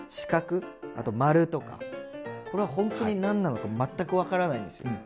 あと「○」とかこれはほんとに何なのか全く分からないんですよ。